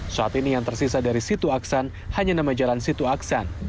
saat ini yang tersisa dari situ aksan hanya nama jalan situ aksan